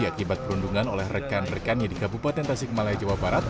akibat perundungan oleh rekan rekannya di kabupaten tasik malaya jawa barat